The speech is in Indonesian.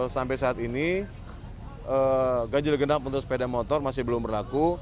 sampai saat ini ganjil genap untuk sepeda motor masih belum berlaku